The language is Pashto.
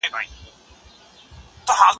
ماته هغه لاري کوڅې بې خراباته ښکاري